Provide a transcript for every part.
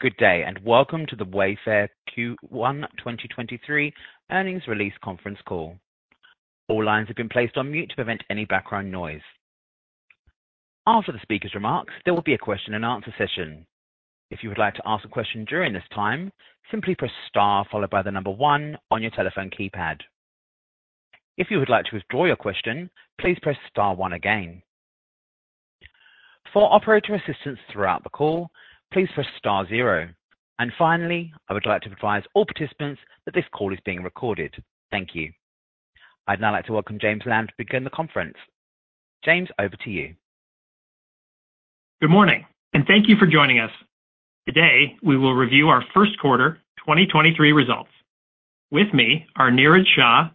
Good day, and welcome to the Wayfair Q1 2023 earnings release conference call. All lines have been placed on mute to prevent any background noise. After the speaker's remarks, there will be a question-and-answer session. If you would like to ask a question during this time, simply press star followed by the number one on your telephone keypad. If you would like to withdraw your question, please press star one again. For operator assistance throughout the call, please press star zero. Finally, I would like to advise all participants that this call is being recorded. Thank you. I'd now like to welcome James Lamb to begin the conference. James, over to you. Good morning. Thank you for joining us. Today, we will review our first quarter 2023 results. With me are Niraj Shah,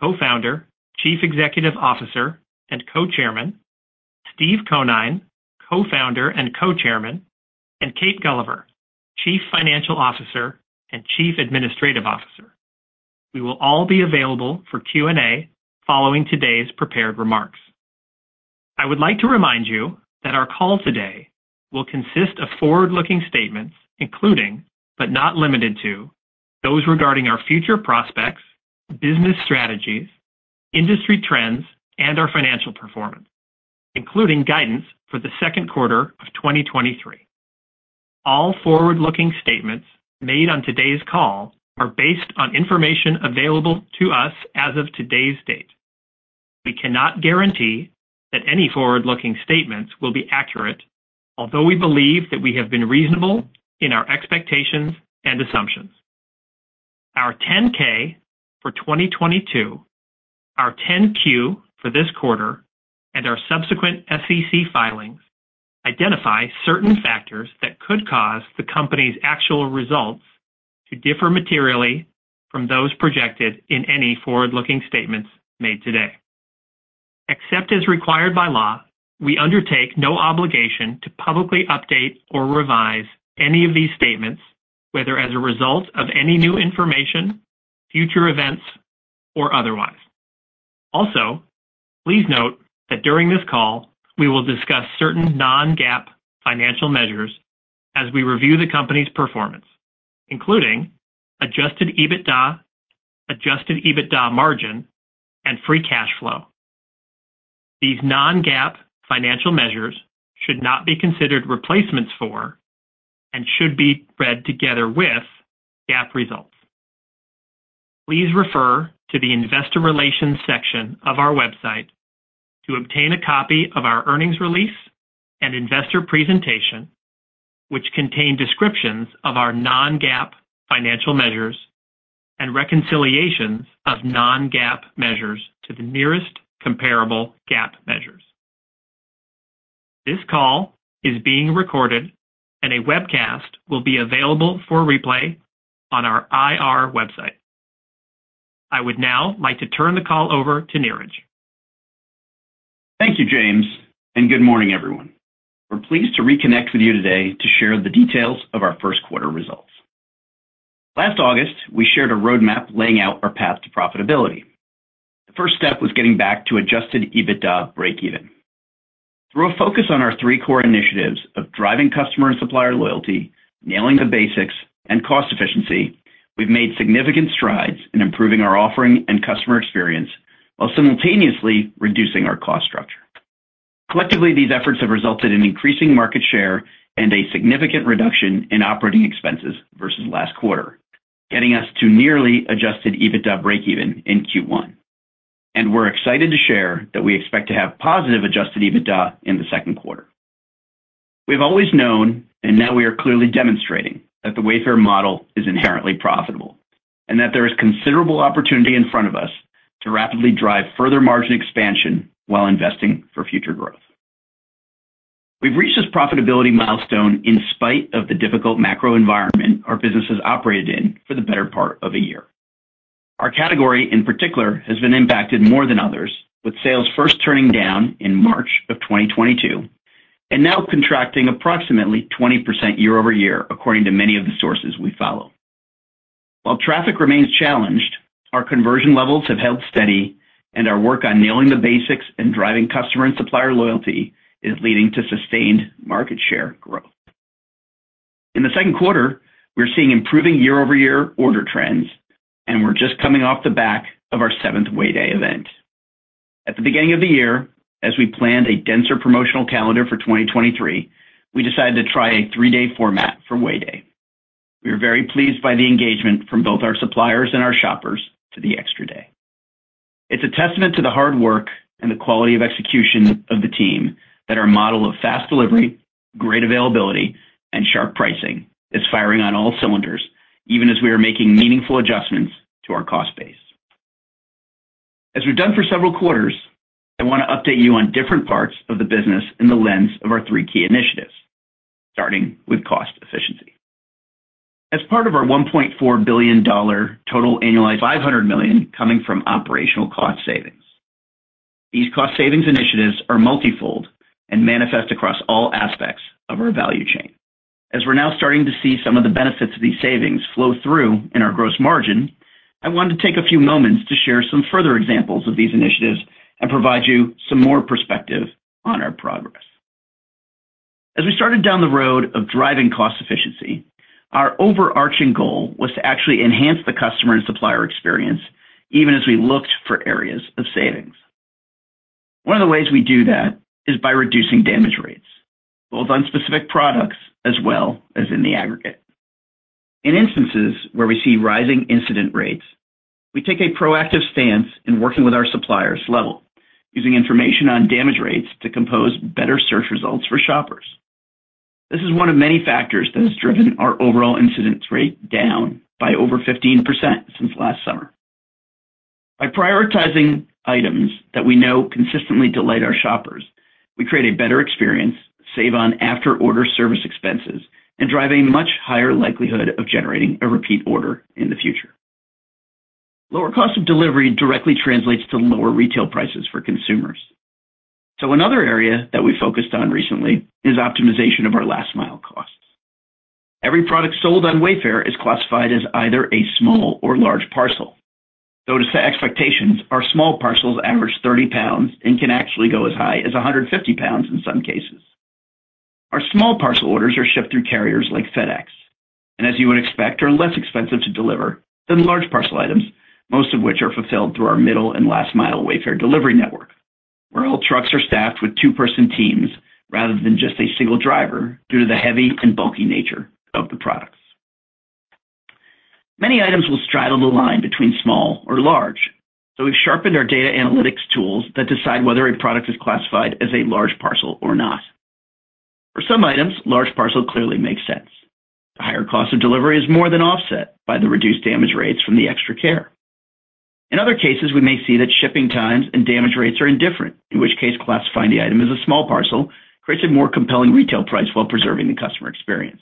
Co-founder, Chief Executive Officer, and Co-chairman, Steve Conine, Co-founder and Co-chairman, and Kate Gulliver, Chief Financial Officer and Chief Administrative Officer. We will all be available for Q&A following today's prepared remarks. I would like to remind you that our call today will consist of forward-looking statements, including but not limited to those regarding our future prospects, business strategies, industry trends, and our financial performance, including guidance for the second quarter of 2023. All forward-looking statements made on today's call are based on information available to us as of today's date. We cannot guarantee that any forward-looking statements will be accurate, although we believe that we have been reasonable in our expectations and assumptions. Our 10-K for 2022, our 10-Q for this quarter, and our subsequent SEC filings identify certain factors that could cause the company's actual results to differ materially from those projected in any forward-looking statements made today. Except as required by law, we undertake no obligation to publicly update or revise any of these statements, whether as a result of any new information, future events, or otherwise. Also, please note that during this call, we will discuss certain non-GAAP financial measures as we review the company's performance, including Adjusted EBITDA, Adjusted EBITDA margin, and free cash flow. These non-GAAP financial measures should not be considered replacements for and should be read together with GAAP results. Please refer to the Investor Relations section of our website to obtain a copy of our earnings release and investor presentation, which contain descriptions of our non-GAAP financial measures and reconciliations of non-GAAP measures to the nearest comparable GAAP measures. This call is being recorded, and a webcast will be available for replay on our IR website. I would now like to turn the call over to Niraj. Thank you, James, and good morning, everyone. We're pleased to reconnect with you today to share the details of our first quarter results. Last August, we shared a roadmap laying out our path to profitability. The first step was getting back to Adjusted EBITDA breakeven. Through a focus on our three core initiatives of driving customer and supplier loyalty, nailing the basics, and cost efficiency, we've made significant strides in improving our offering and customer experience while simultaneously reducing our cost structure. Collectively, these efforts have resulted in increasing market share and a significant reduction in operating expenses versus last quarter, getting us to nearly Adjusted EBITDA breakeven in Q1. We're excited to share that we expect to have positive Adjusted EBITDA in the second quarter. We've always known, and now we are clearly demonstrating, that the Wayfair model is inherently profitable and that there is considerable opportunity in front of us to rapidly drive further margin expansion while investing for future growth. We've reached this profitability milestone in spite of the difficult macro environment our business has operated in for the better part of a year. Our category, in particular, has been impacted more than others, with sales first turning down in March of 2022 and now contracting approximately 20% year-over-year, according to many of the sources we follow. While traffic remains challenged, our conversion levels have held steady, and our work on nailing the basics and driving customer and supplier loyalty is leading to sustained market share growth. In the second quarter, we're seeing improving year-over-year order trends, and we're just coming off the back of our 7th Way Day event. At the beginning of the year, as we planned a denser promotional calendar for 2023, we decided to try a three-day format for Way Day. We are very pleased by the engagement from both our suppliers and our shoppers to the extra day. It's a testament to the hard work and the quality of execution of the team that our model of fast delivery, great availability, and sharp pricing is firing on all cylinders, even as we are making meaningful adjustments to our cost base. As we've done for several quarters, I want to update you on different parts of the business in the lens of our three key initiatives, starting with cost efficiency. As part of our $1.4 billion total annualized, $500 million coming from operational cost savings. These cost savings initiatives are multifold and manifest across all aspects of our value chain. As we're now starting to see These savings flow through in our gross margin. I wanted to take a few moments to share some further examples of these initiatives and provide you some more perspective on our progress. As we started down the road of driving cost efficiency, our overarching goal was to actually enhance the customer and supplier experience even as we looked for areas of savings. One of the ways we do that is by reducing damage rates, both on specific products as well as in the aggregate. In instances where we see rising incident rates, we take a proactive stance in working with our suppliers level, using information on damage rates to compose better search results for shoppers. This is one of many factors that has driven our overall incidence rate down by over 15% since last summer. By prioritizing items that we know consistently delight our shoppers, we create a better experience, save on after-order service expenses, and drive a much higher likelihood of generating a repeat order in the future. Lower cost of delivery directly translates to lower retail prices for consumers. Another area that we focused on recently is optimization of our last mile costs. Every product sold on Wayfair is classified as either a small or large parcel. Though to set expectations, our small parcels average 30 pounds and can actually go as high as 150 pounds in some cases. Our small parcel orders are shipped through carriers like FedEx, and as you would expect, are less expensive to deliver than large parcel items, most of which are fulfilled through our middle and last mile Wayfair delivery network, where all trucks are staffed with two-person teams rather than just a single driver due to the heavy and bulky nature of the products. Many items will straddle the line between small or large. We've sharpened our data analytics tools that decide whether a product is classified as a large parcel or not. For some items, large parcel clearly makes sense. The higher cost of delivery is more than offset by the reduced damage rates from the extra care. In other cases, we may see that shipping times and damage rates are indifferent, in which case classifying the item as a small parcel creates a more compelling retail price while preserving the customer experience.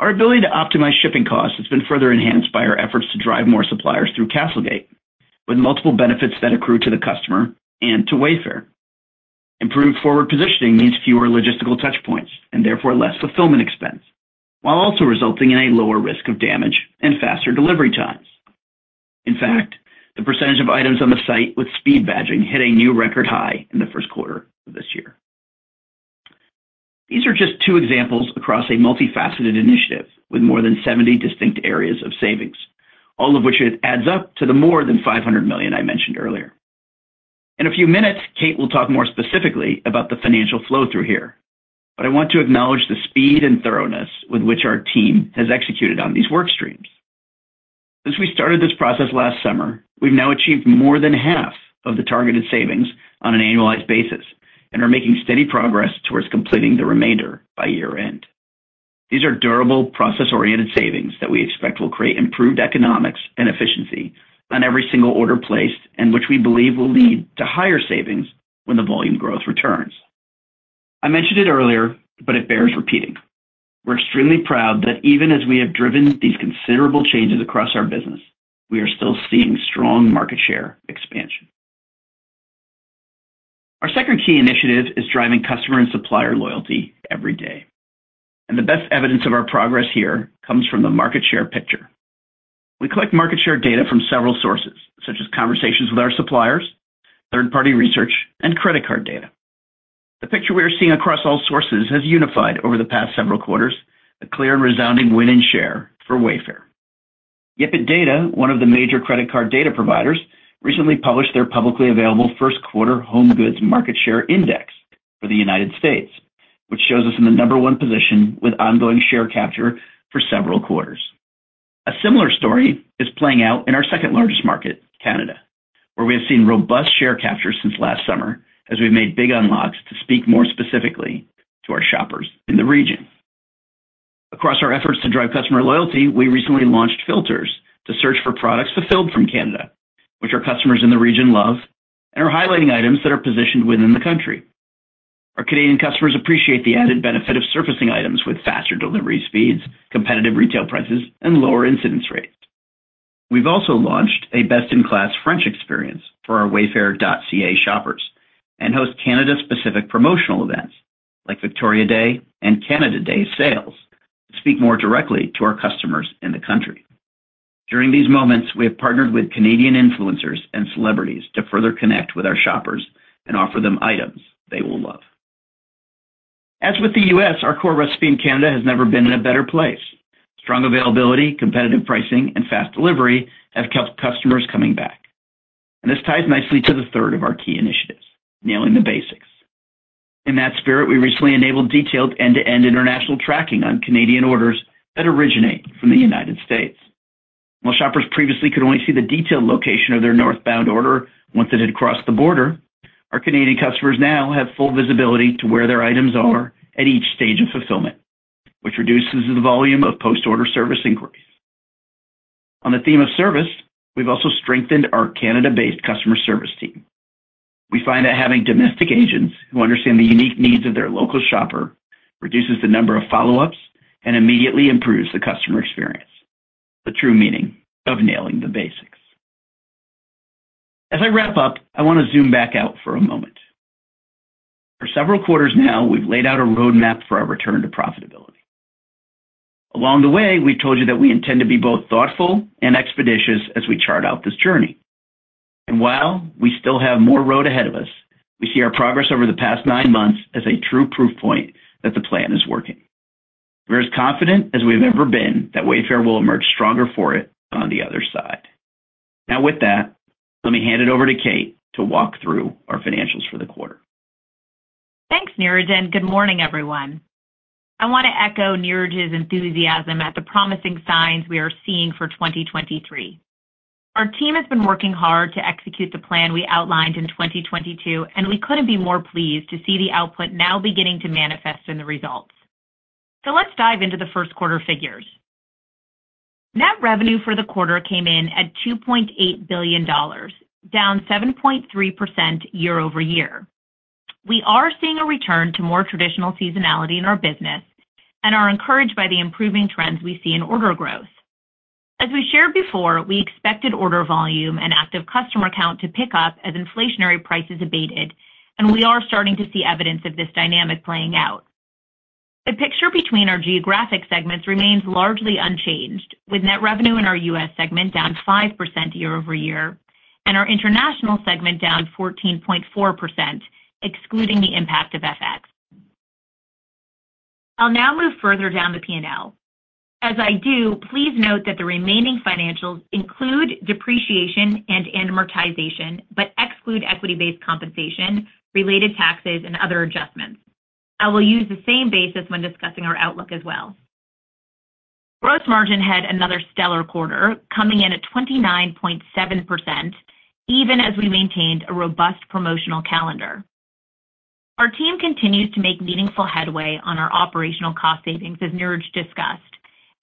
Our ability to optimize shipping costs has been further enhanced by our efforts to drive more suppliers through CastleGate with multiple benefits that accrue to the customer and to Wayfair. Improved forward positioning means fewer logistical touch points and therefore less fulfillment expense, while also resulting in a lower risk of damage and faster delivery times. In fact, the percentage of items on the site with speed badging hit a new record high in the first quarter of this year. These are just two examples across a multifaceted initiative with more than 70 distinct areas of savings, all of which it adds up to the more than $500 million I mentioned earlier. In a few minutes, Kate will talk more specifically about the financial flow through here, I want to acknowledge the speed and thoroughness with which our team has executed on these work streams. Since we started this process last summer, we've now achieved more than half of the targeted savings on an annualized basis and are making steady progress towards completing the remainder by year-end. These are durable, process-oriented savings that we expect will create improved economics and efficiency on every single order placed and which we believe will lead to higher savings when the volume growth returns. I mentioned it earlier, it bears repeating. We're extremely proud that even as we have driven these considerable changes across our business, we are still seeing strong market share expansion. Our second key initiative is driving customer and supplier loyalty every day. The best evidence of our progress here comes from the market share picture. We collect market share data from several sources, such as conversations with our suppliers, third-party research, and credit card data. The picture we are seeing across all sources has unified over the past several quarters a clear and resounding win in share for Wayfair. YipitData, one of the major credit card data providers, recently published their publicly available first quarter home goods market share index for the United States, which shows us in the number one position with ongoing share capture for several quarters. A similar story is playing out in our second largest market, Canada, where we have seen robust share capture since last summer as we made big unlocks to speak more specifically to our shoppers in the region. Across our efforts to drive customer loyalty, we recently launched filters to search for products fulfilled from Canada, which our customers in the region love, and are highlighting items that are positioned within the country. Our Canadian customers appreciate the added benefit of surfacing items with faster delivery speeds, competitive retail prices, and lower incidence rates. We've also launched a best-in-class French experience for our wayfair.ca shoppers and host Canada-specific promotional events like Victoria Day and Canada Day sales to speak more directly to our customers in the country. During these moments, we have partnered with Canadian influencers and celebrities to further connect with our shoppers and offer them items they will love. As with the U.S., our core recipe in Canada has never been in a better place. Strong availability, competitive pricing, and fast delivery have kept customers coming back. This ties nicely to the third of our key initiatives, nailing the basics. In that spirit, we recently enabled detailed end-to-end international tracking on Canadian orders that originate from the United States. While shoppers previously could only see the detailed location of their northbound order once it had crossed the border, our Canadian customers now have full visibility to where their items are at each stage of fulfillment, which reduces the volume of post-order service inquiries. On the theme of service, we've also strengthened our Canada-based customer service team. We find that having domestic agents who understand the unique needs of their local shopper reduces the number of follow-ups and immediately improves the customer experience. The true meaning of nailing the basics. I wrap up, I want to zoom back out for a moment. For several quarters now, we've laid out a roadmap for our return to profitability. Along the way, we told you that we intend to be both thoughtful and expeditious as we chart out this journey. While we still have more road ahead of us, we see our progress over the past nine months as a true proof point that the plan is working. We're as confident as we've ever been that Wayfair will emerge stronger for it on the other side. Now, with that, let me hand it over to Kate to walk through our financials for the quarter. Thanks, Niraj. Good morning, everyone. I want to echo Niraj's enthusiasm at the promising signs we are seeing for 2023. Our team has been working hard to execute the plan we outlined in 2022. We couldn't be more pleased to see the output now beginning to manifest in the results. Let's dive into the first quarter figures. Net revenue for the quarter came in at $2.8 billion, down 7.3% year-over-year. We are seeing a return to more traditional seasonality in our business and are encouraged by the improving trends we see in order growth. As we shared before, we expected order volume and active customer count to pick up as inflationary prices abated, and we are starting to see evidence of this dynamic playing out. The picture between our geographic segments remains largely unchanged, with net revenue in our U.S. segment down 5% year-over-year and our international segment down 14.4%, excluding the impact of FX. I'll now move further down the P&L. As I do, please note that the remaining financials include depreciation and amortization, but exclude equity-based compensation, related taxes, and other adjustments. I will use the same basis when discussing our outlook as well. Gross margin had another stellar quarter, coming in at 29.7%, even as we maintained a robust promotional calendar. Our team continues to make meaningful headway on our operational cost savings, as Niraj discussed,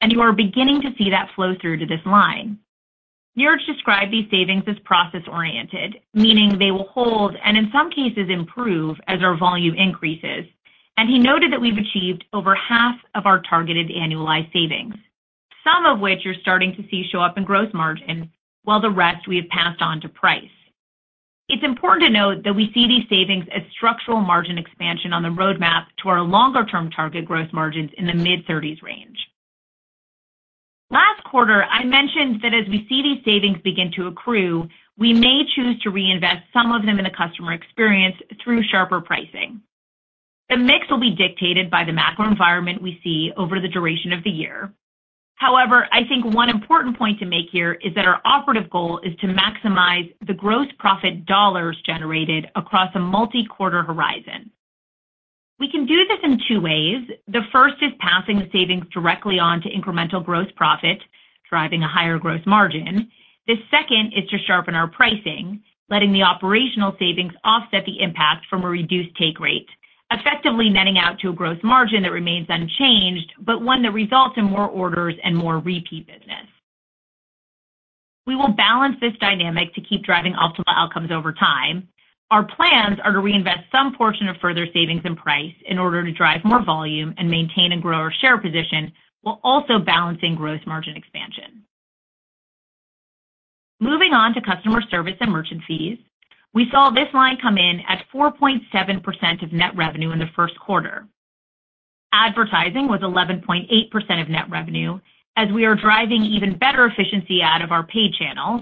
and you are beginning to see that flow through to this line. Niraj described these savings as process-oriented, meaning they will hold and in some cases improve as our volume increases. He noted that we've achieved over half of our targeted annualized savings. Some of which you're starting to see show up in gross margin, while the rest we have passed on to price. It's important to note that we see these savings as structural margin expansion on the roadmap to our longer term target gross margins in the mid-thirties range. Last quarter, I mentioned that as we see these savings begin to accrue, we may choose to reinvest some of them in the customer experience through sharper pricing. The mix will be dictated by the macro environment we see over the duration of the year. I think one important point to make here is that our operative goal is to maximize the gross profit dollars generated across a multi-quarter horizon. We can do this in two ways. The first is passing the savings directly on to incremental growth profit, driving a higher gross margin. The second is to sharpen our pricing, letting the operational savings offset the impact from a reduced take rate, effectively netting out to a gross margin that remains unchanged, but one that results in more orders and more repeat business. We will balance this dynamic to keep driving optimal outcomes over time. Our plans are to reinvest some portion of further savings and price in order to drive more volume and maintain and grow our share position while also balancing gross margin expansion. Moving on to customer service and merchant fees. We saw this line come in at 4.7% of net revenue in the first quarter. Advertising was 11.8% of net revenue, as we are driving even better efficiency out of our paid channels,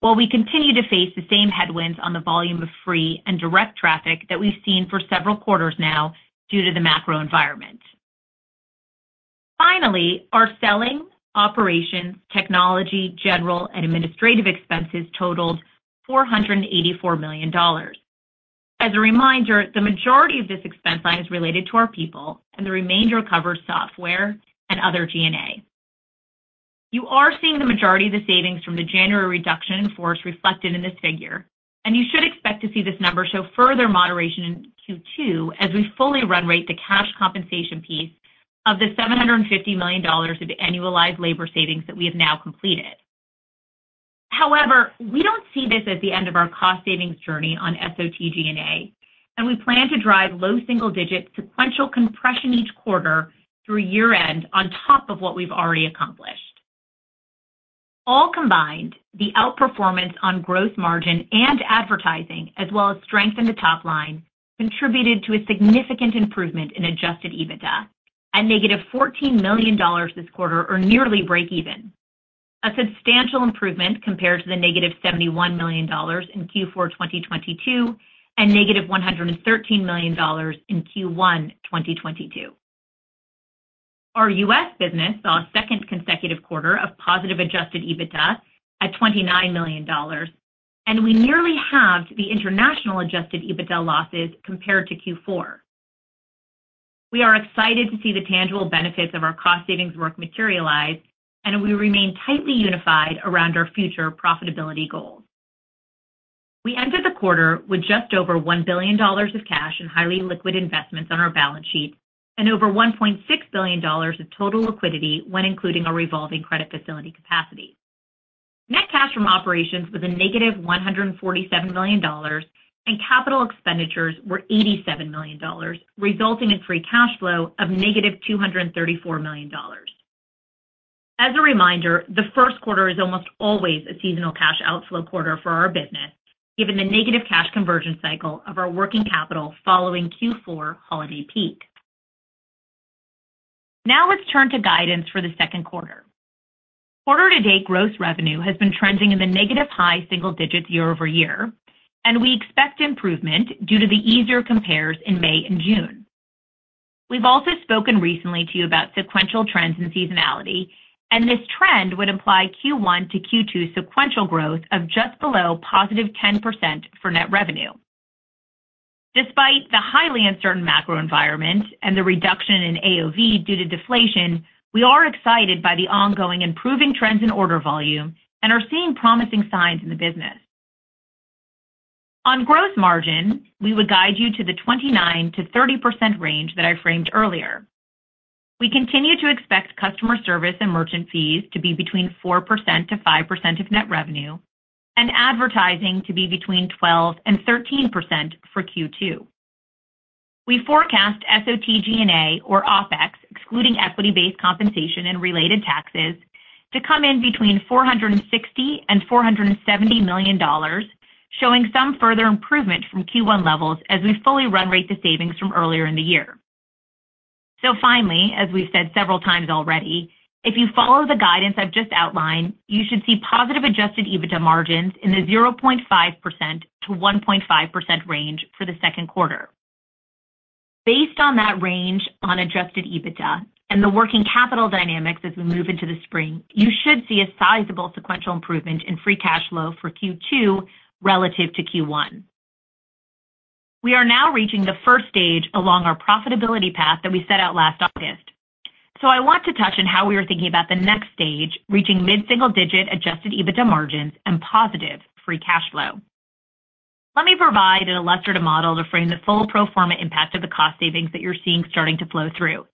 while we continue to face the same headwinds on the volume of free and direct traffic that we've seen for several quarters now due to the macro environment. Finally, our Selling, Operations, Technology, General and Administrative expenses totaled $484 million. As a reminder, the majority of this expense line is related to our people, and the remainder covers software and other G&A. You are seeing the majority of the savings from the January reduction in force reflected in this figure, and you should expect to see this number show further moderation in Q2 as we fully run rate the cash compensation piece of the $750 million of annualized labor savings that we have now completed. We don't see this as the end of our cost savings journey on SOT G&A, and we plan to drive low single digit sequential compression each quarter through year end on top of what we've already accomplished. All combined, the outperformance on gross margin and advertising, as well as strength in the top line, contributed to a significant improvement in Adjusted EBITDA at -$14 million this quarter or nearly breakeven. A substantial improvement compared to the -$71 million in Q4 2022 and -$113 million in Q1 2022. Our U.S. business saw a second consecutive quarter of positive Adjusted EBITDA at $29 million, and we nearly halved the international Adjusted EBITDA losses compared to Q4. We are excited to see the tangible benefits of our cost savings work materialize, and we remain tightly unified around our future profitability goals. We ended the quarter with just over $1 billion of cash and highly liquid investments on our balance sheet and over $1.6 billion of total liquidity when including our revolving credit facility capacity. Net cash from operations was a negative $147 million, and capital expenditures were $87 million, resulting in free cash flow of negative $234 million. As a reminder, the first quarter is almost always a seasonal cash outflow quarter for our business, given the negative cash conversion cycle of our working capital following Q4 holiday peak. Let's turn to guidance for the second quarter. Quarter to date, gross revenue has been trending in the negative high single digits year-over-year, and we expect improvement due to the easier compares in May and June. We've also spoken recently to you about sequential trends and seasonality, and this trend would imply Q1 to Q2 sequential growth of just below positive 10% for net revenue. Despite the highly uncertain macro environment and the reduction in AOV due to deflation, we are excited by the ongoing improving trends in order volume and are seeing promising signs in the business. On gross margin, we would guide you to the 29%-30% range that I framed earlier. We continue to expect customer service and merchant fees to be between 4%-5% of net revenue and advertising to be between 12% and 13% for Q2. We forecast SG&A or OpEx, excluding equity-based compensation and related taxes, to come in between $460 million and $470 million, showing some further improvement from Q one levels as we fully run rate the savings from earlier in the year. Finally, as we've said several times already, if you follow the guidance I've just outlined, you should see positive Adjusted EBITDA margins in the 0.5%-1.5% range for the second quarter. Based on that range on Adjusted EBITDA and the working capital dynamics as we move into the spring, you should see a sizable sequential improvement in free cash flow for Q two relative to Q one. We are now reaching the first stage along our profitability path that we set out last August. I want to touch on how we are thinking about the next stage, reaching mid-single digit Adjusted EBITDA margins and positive free cash flow. Let me provide an illustrative model to frame the full pro forma impact of the cost savings that you're seeing starting to flow through.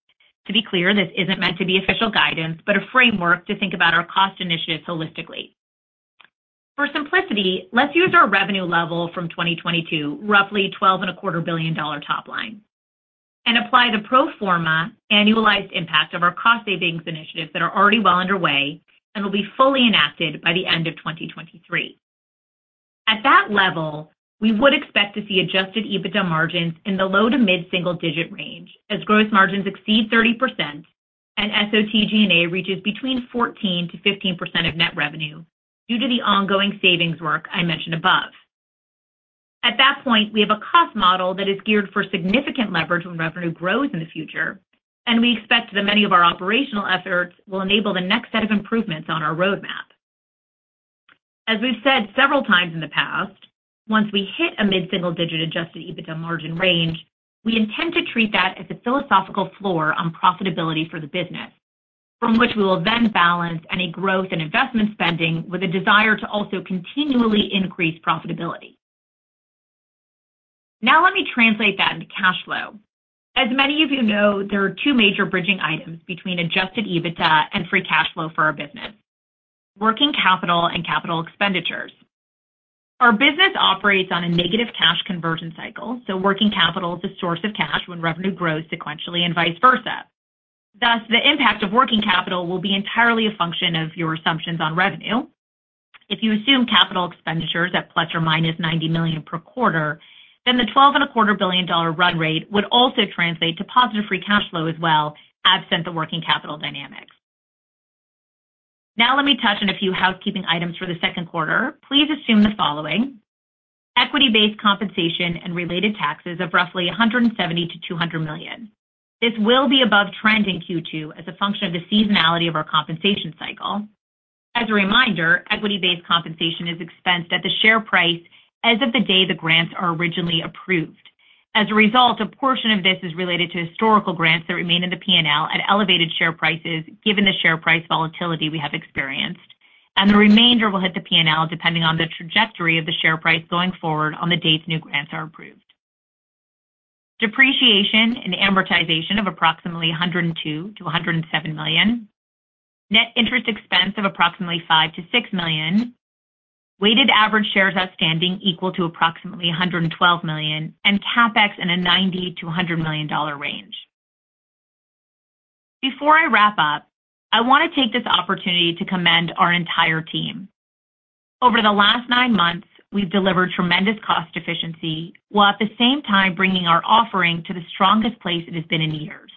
To be clear, this isn't meant to be official guidance, but a framework to think about our cost initiatives holistically. For simplicity, let's use our revenue level from 2022, roughly $12 and a quarter billion top line, and apply the pro forma annualized impact of our cost savings initiatives that are already well underway and will be fully enacted by the end of 2023. At that level, we would expect to see Adjusted EBITDA margins in the low to mid-single digit range as gross margins exceed 30% and SG&A reaches between 14%-15% of net revenue due to the ongoing savings work I mentioned above. At that point, we have a cost model that is geared for significant leverage when revenue grows in the future, and we expect that many of our operational efforts will enable the next set of improvements on our roadmap. As we've said several times in the past, once we hit a mid-single digit Adjusted EBITDA margin range, we intend to treat that as a philosophical floor on profitability for the business from which we will then balance any growth in investment spending with a desire to also continually increase profitability. Now let me translate that into cash flow. As many of you know, there are two major bridging items between Adjusted EBITDA and free cash flow for our business, working capital and capital expenditures. Our business operates on a negative cash conversion cycle, working capital is a source of cash when revenue grows sequentially and vice versa. The impact of working capital will be entirely a function of your assumptions on revenue. If you assume capital expenditures at ±$90 million per quarter, then the $12 and a quarter billion dollar run rate would also translate to positive free cash flow as well, absent the working capital dynamics. Let me touch on a few housekeeping items for the second quarter. Please assume the following: equity-based compensation and related taxes of roughly $170 million-$200 million. This will be above trend in Q two as a function of the seasonality of our compensation cycle. As a reminder, equity-based compensation is expensed at the share price as of the day the grants are originally approved. As a result, a portion of this is related to historical grants that remain in the PNL at elevated share prices given the share price volatility we have experienced. The remainder will hit the PNL depending on the trajectory of the share price going forward on the dates new grants are approved. Depreciation and amortization of approximately $102 million-$107 million. Net interest expense of approximately $5 million-$6 million. Weighted average shares outstanding equal to approximately 112 million, and CapEx in a $90 million-$100 million range. Before I wrap up, I want to take this opportunity to commend our entire team. Over the last nine months, we've delivered tremendous cost efficiency while at the same time bringing our offering to the strongest place it has been in years.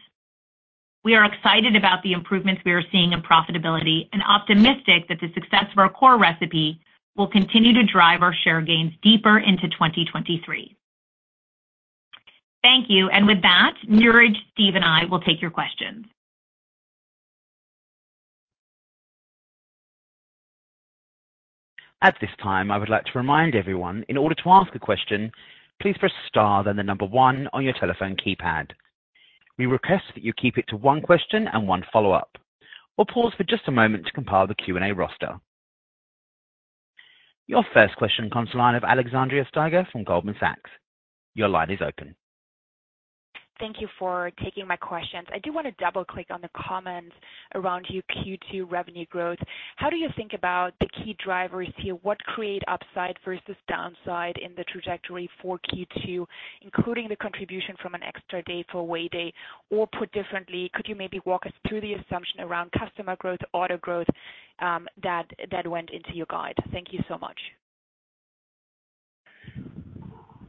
We are excited about the improvements we are seeing in profitability and optimistic that the success of our core recipe will continue to drive our share gains deeper into 2023. Thank you. With that, Niraj, Steve, and I will take your questions. At this time, I would like to remind everyone in order to ask a question, please press star, then the one on your telephone keypad. We request that you keep it to one question and one follow-up. We'll pause for just a moment to compile the Q&A roster. Your first question comes line of Alexandra Steiger from Goldman Sachs. Your line is open. Thank you for taking my questions. I do want to double-click on the comments around your Q2 revenue growth. How do you think about the key drivers here? What create upside versus downside in the trajectory for Q2, including the contribution from an extra day for Way Day? Or put differently, could you maybe walk us through the assumption around customer growth, AOV growth, that went into your guide? Thank you so much.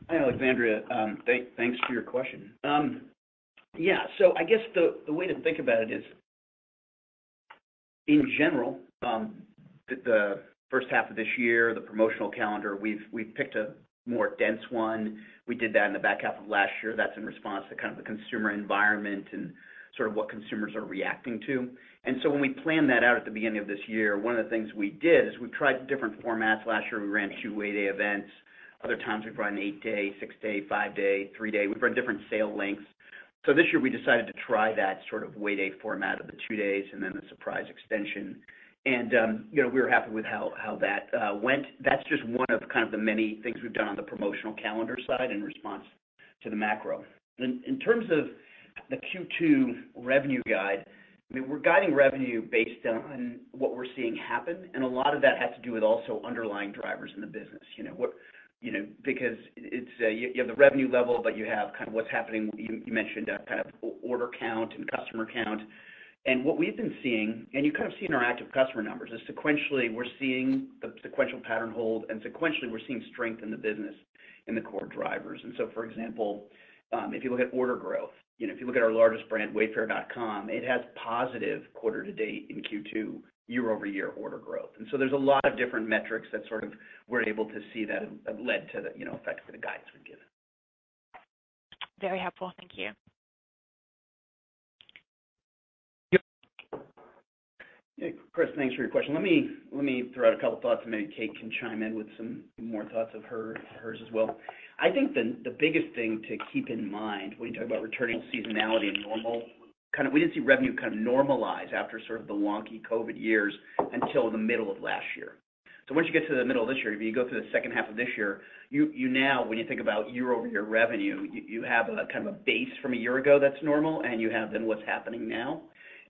Hi, Alexandra. Thanks for your question. I guess the way to think about it is, in general, the first half of this year, the promotional calendar, we've picked a more dense one. We did that in the back half of last year. That's in response to kind of the consumer environment and sort of what consumers are reacting to. When we planned that out at the beginning of this year, one of the things we did is we tried different formats. Last year, we ran two Way Day events. Other times, we've run eight day, six day, five day, three day. We've run different sale lengths. This year we decided to try that sort of Way Day format of the two days and then the surprise extension. You know, we were happy with how that went. That's just one of kind of the many things we've done on the promotional calendar side in response to the macro. In terms of the Q2 revenue guide, I mean, we're guiding revenue based on what we're seeing happen, and a lot of that has to do with also underlying drivers in the business. You know, because it's, you have the revenue level, but you have kind of what's happening. You mentioned that kind of order count and customer count. What we've been seeing, and you kind of see in our active customer numbers, is sequentially we're seeing the sequential pattern hold, and sequentially we're seeing strength in the business in the core drivers. For example, if you look at order growth, you know, if you look at our largest brand, wayfair.com, it has positive quarter to date in Q2, year-over-year order growth. There's a lot of different metrics that sort of we're able to see that have led to the, you know, effects that the guides we've given. Very helpful. Thank you. Yep. Hey, Chris, thanks for your question. Let me throw out a couple thoughts, and maybe Kate can chime in with some more thoughts of her, hers as well. I think the biggest thing to keep in mind when you talk about returning seasonality to normal, kind of we didn't see revenue kind of normalize after sort of the wonky COVID years until the middle of last year. Once you get to the middle of this year, if you go through the second half of this year, you now, when you think about year-over-year revenue, you have a kind of a base from a year ago that's normal, and you have then what's happening now.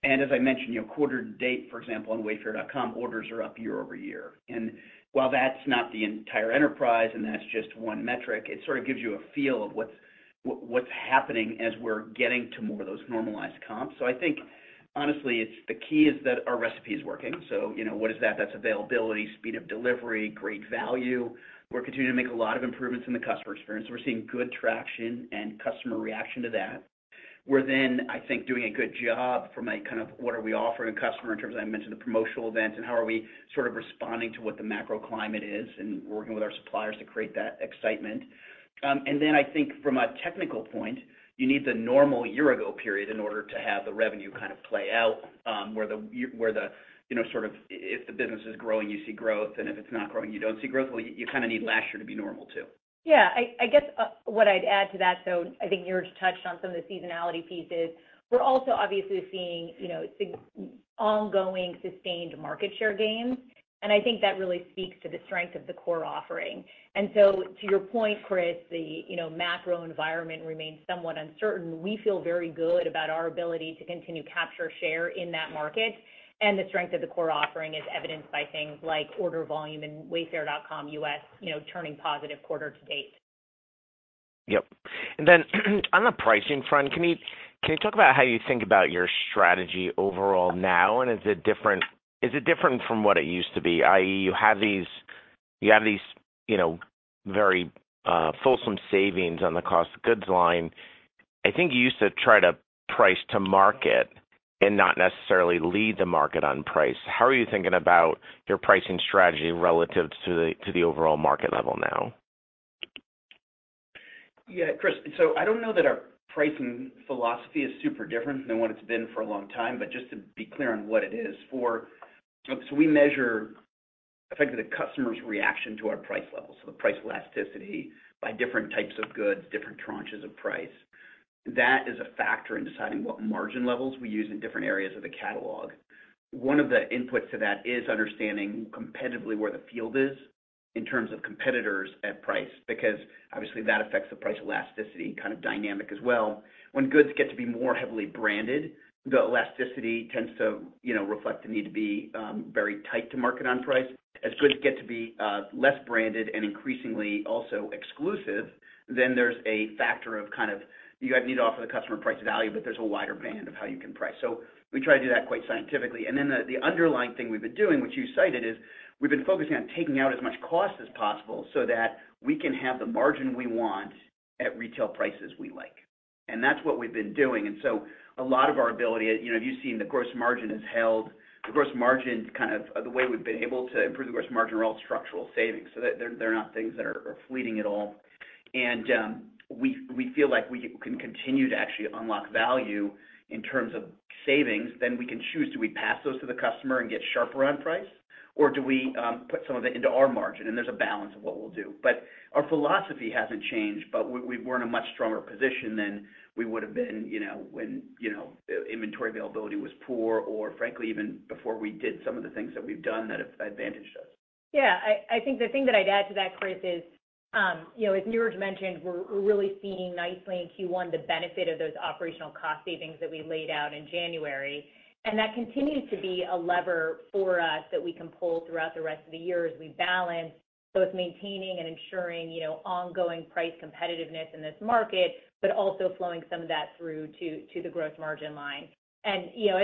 As I mentioned, you know, quarter to date, for example, on wayfair.com, orders are up year-over-year. While that's not the entire enterprise, and that's just one metric, it sort of gives you a feel of what's happening as we're getting to more of those normalized comps. I think honestly, it's the key is that our recipe is working. You know, what is that? That's availability, speed of delivery, great value. We're continuing to make a lot of improvements in the customer experience. We're seeing good traction and customer reaction to that. We're then, I think, doing a good job from a kind of what are we offering a customer in terms of, I mentioned the promotional events, and how are we sort of responding to what the macro climate is and working with our suppliers to create that excitement. I think from a technical point, you need the normal year-ago period in order to have the revenue kind of play out, where the, you know, sort of if the business is growing, you see growth, and if it's not growing, you don't see growth. You kind of need last year to be normal too. Yeah. I guess, what I'd add to that. I think Niraj touched on some of the seasonality pieces. We're also obviously seeing, you know, ongoing sustained market share gains. I think that really speaks to the strength of the core offering. To your point, Chris, the, you know, macro environment remains somewhat uncertain. We feel very good about our ability to continue to capture share in that market. The strength of the core offering is evidenced by things like order volume and wayfair.com U.S., you know, turning positive quarter-to-date. Yep. On the pricing front, can you talk about how you think about your strategy overall now. Is it different from what it used to be, i.e., you have these, you know, very fulsome savings on the cost of goods line. I think you used to try to price to market and not necessarily lead the market on price. How are you thinking about your pricing strategy relative to the overall market level now? Yeah, Chris, I don't know that our pricing philosophy is super different than what it's been for a long time, but just to be clear on what it is. We measure effectively the customer's reaction to our price levels, so the price elasticity by different types of goods, different tranches of price. That is a factor in deciding what margin levels we use in different areas of the catalog. One of the inputs to that is understanding competitively where the field is in terms of competitors at price, because obviously that affects the price elasticity kind of dynamic as well. When goods get to be more heavily branded, the elasticity tends to, you know, reflect the need to be very tight to market on price. As goods get to be less branded and increasingly also exclusive, then there's a factor of kind of you need to offer the customer price value, but there's a wider band of how you can price. We try to do that quite scientifically. Then the underlying thing we've been doing, which you cited, is we've been focusing on taking out as much cost as possible so that we can have the margin we want at retail prices we like. That's what we've been doing. A lot of our ability, you know, you've seen the gross margin has held. The gross margin kind of, the way we've been able to improve the gross margin are all structural savings. So they're not things that are fleeting at all. We feel like we can continue to actually unlock value in terms of savings. We can choose, do we pass those to the customer and get sharper on price, or do we put some of it into our margin? There's a balance of what we'll do. Our philosophy hasn't changed, but we're in a much stronger position than we would've been, you know, when, you know, inventory availability was poor or frankly, even before we did some of the things that we've done that have advantaged us. I think the thing that I'd add to that, Chris, is, you know, as Niraj mentioned, we're really seeing nicely in Q1 the benefit of those operational cost savings that we laid out in January. That continues to be a lever for us that we can pull throughout the rest of the year as we balance both maintaining and ensuring, you know, ongoing price competitiveness in this market, also flowing some of that through to the gross margin line. As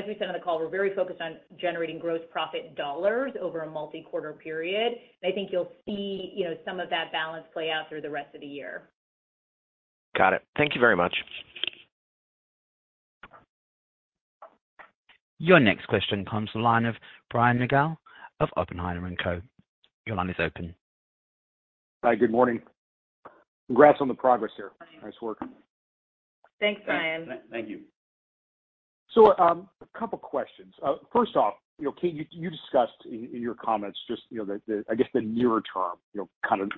we said on the call, we're very focused on generating gross profit dollars over a multi-quarter period. I think you'll see, you know, some of that balance play out through the rest of the year. Got it. Thank you very much. Your next question comes to the line of Brian Nagel of Oppenheimer & Co. Your line is open. Hi, good morning. Congrats on the progress here. Nice work. Thanks, Brian. Thank you. A couple questions. First off, you know, Kate, you discussed in your comments just, you know, the nearer term, you know, kind of